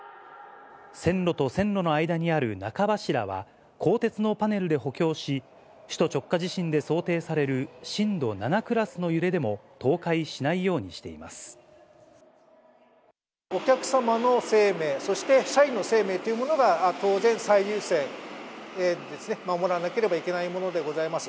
線路と線路の間にある中柱は、鋼鉄のパネルで補強し、首都直下地震で想定される震度７クラスの揺れでも倒壊しないようお客様の生命、そして社員の生命というものが、当然、最優先で守らなければいけないものでございます。